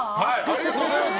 ありがとうございます。